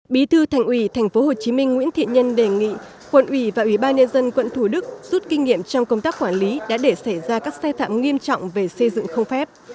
bí thư thành ủy tp hcm nguyễn thiện nhân đề nghị quận ủy và ủy ban nhân dân quận thủ đức rút kinh nghiệm trong công tác quản lý đã để xảy ra các sai phạm nghiêm trọng về xây dựng không phép